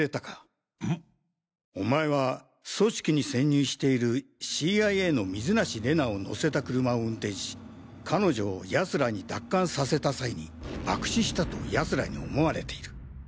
お前は組織に潜入しているＣＩＡの水無怜奈を乗せた車を運転し彼女を奴らに奪還させた際に爆死したと奴らに思われている。